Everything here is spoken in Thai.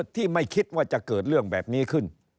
ที่ไม่คิดว่าจะเกิดเรื่องแบบนี้ขึ้น